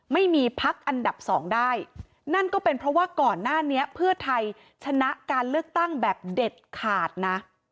ไม่มีพักอันดับสองได้นั่นก็เป็นเพราะว่าก่อนหน้านี้เพื่อไทยชนะการเลือกตั้งแบบเด็ดขาดนะ